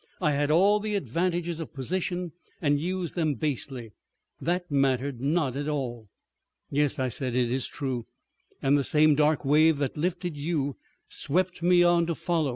I had all the advantages of position and used them basely. That mattered not at all." "Yes," I said; "it is true. And the same dark wave that lifted you, swept me on to follow.